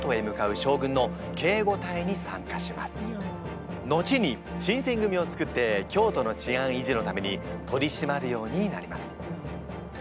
京都へ向かうのちに新選組を作って京都の治安維持のために取りしまるようになります。